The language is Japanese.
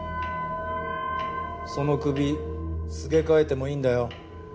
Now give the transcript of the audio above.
その首すげ替えてもいいんだよ。